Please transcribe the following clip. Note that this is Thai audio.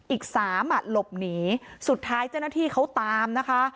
อีกสามอ่ะหลบหนีสุดท้ายเจ้าหน้าที่เขาตามนะคะ